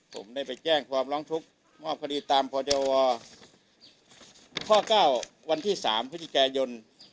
ผมได้ไปแจ้งความร้องทุกข์มอบคดีตามพจวข้อ๙วันที่๓พฤศจิกายน